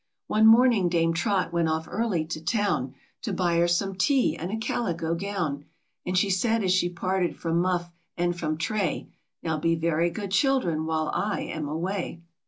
One morning Dame Trot went off early to town, To buy her some tea, and a calico gown, And she said as she parted from Muff and from Tray, " Now be very good children while I am away."